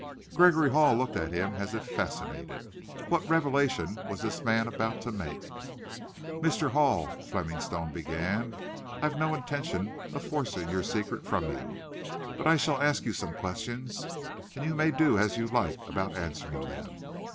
Gregory Hall looked at him as if fascinated. What revelation was this man about to make? "Mr. Hall," Fleming Stone began, "I've no intention of forcing your secret from you. But I shall ask you some questions, and you may do as you like about answering them.